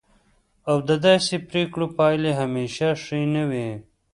او د داسې پریکړو پایلې همیشه ښې نه وي.